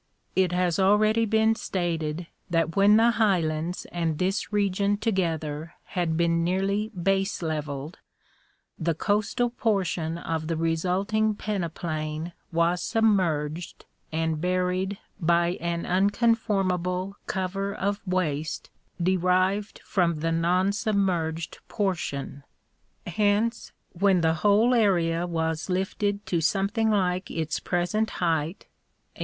It has already been 'stated that when the Highlands and this region together had been nearly baseleveled, the coastal portion of the resulting peneplain was submerged and buried by an unconformable cover of waste derived from the non submerged portion: hence when the whole area was lifted to something like its present height, a° 92 National Geographic Magazine.